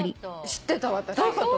知ってた私。